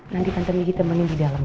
nanti tante migi temenin di dalam ya